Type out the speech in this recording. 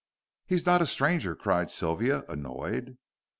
"He's not a stranger," cried Sylvia, annoyed.